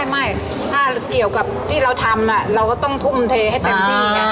ไม่ถ้าเกี่ยวกับที่เราทำเราก็ต้องทุ่มเทให้เต็มที่ไง